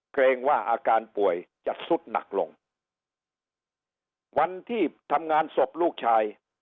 เกรงว่าอาการป่วยจะสุดหนักลงวันที่ทำงานศพลูกชาย